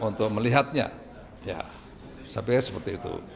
untuk melihatnya ya sampai seperti itu